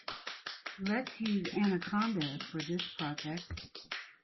Let's use Anaconda for this project.